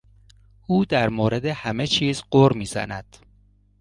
او در مورد همه چیز غر میزند.